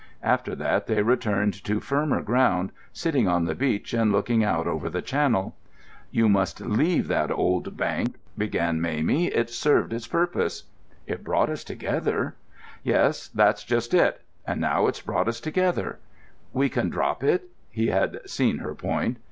After that they returned to firmer ground, sitting on the beach and looking out over the Channel. "You must leave that old bank," began Mamie; "it's served its purpose." "It brought us together." "Yes, that's just it. And now it's brought us together——" "We can drop it?" He had seen her point.